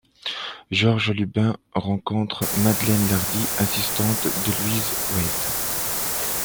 Georges Lubin rencontre Madeleine Lardy, assistante de Louise Weiss.